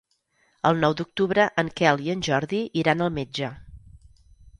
El nou d'octubre en Quel i en Jordi iran al metge.